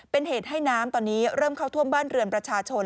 เป็นเหตุให้น้ำตอนนี้เริ่มเข้าท่วมบ้านเรือนประชาชน